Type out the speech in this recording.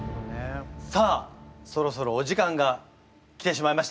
さあそろそろお時間が来てしまいました。